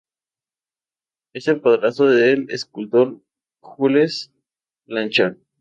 Él es el padrastro del escultor Jules Blanchard.